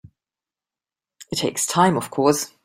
It takes time of course.